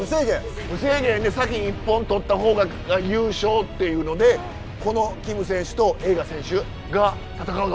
無制限で先一本取ったほうが優勝っていうのでこのキム選手と栄花選手が戦うの？